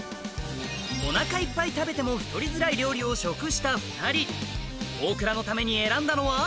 お腹いっぱい食べても太りづらい料理を食した２人大倉のために選んだのは？